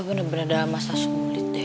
apa bener bener dalam masa sulit deh